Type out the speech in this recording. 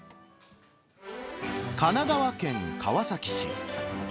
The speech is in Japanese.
神奈川県川崎市。